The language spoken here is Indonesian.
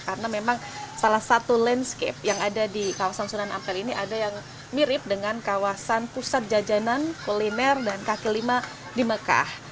karena memang salah satu landscape yang ada di kawasan surabaya ini ada yang mirip dengan kawasan pusat jajanan kuliner dan kaki lima di mekah